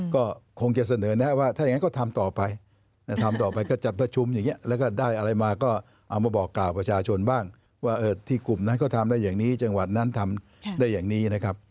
ก็คงจะเสนอแนะว่าถ้าอย่างนั้นก็ทำต่อไปทำต่อไปก็จัดประชุมอย่างนี้แล้วก็ได้อะไรมาก็เอามาบอกกล่าวประชาชนบ้างว่าที่กลุ่มนั้นก็ทำได้อย่างนี้จังหวัดนั้นทำได้อย่างนี้นะครับ